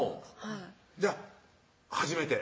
じゃあ初めて？